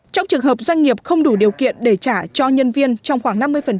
trong trường hợp doanh nghiệp không đủ điều kiện để trả cho nhân viên trong khoảng năm mươi